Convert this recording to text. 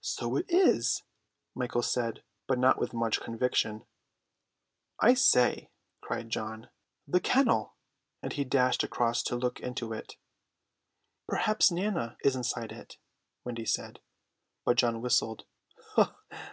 "So it is," Michael said, but not with much conviction. "I say," cried John, "the kennel!" and he dashed across to look into it. "Perhaps Nana is inside it," Wendy said. But John whistled.